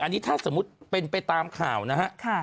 อันนี้ถ้าสมมุติเป็นไปตามข่าวนะฮะ